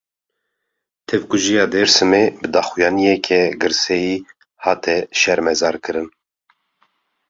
Tevkujiya Dêrsimê, bi daxuyaniyeke girseyî hate şermezarkirin